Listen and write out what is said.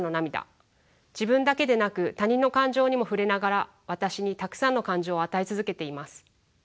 自分だけでなく他人の感情にも触れながら私にたくさんの感情を与え続けています。